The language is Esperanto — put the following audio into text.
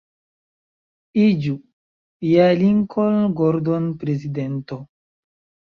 Iĝu ja Lincoln Gordon prezidento!